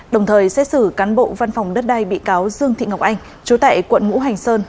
đồng thời xét xử cán bộ văn phòng đất đai bị cáo dương thị ngọc anh chú tại quận ngũ hành sơn